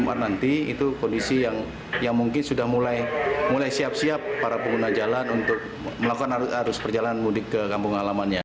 jumat nanti itu kondisi yang mungkin sudah mulai siap siap para pengguna jalan untuk melakukan arus perjalanan mudik ke kampung halamannya